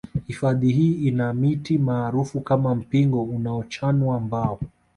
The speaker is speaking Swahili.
Hifadhi hii ina miti maarufu kama mpingo unaochanwa mbao